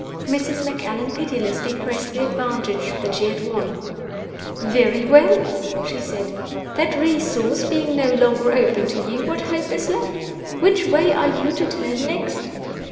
Mrs. Macallan pitilessly pressed the advantage that she had won. "Very well," she said, "that resource being no longer open to you, what hope is left? Which way are you to turn next?"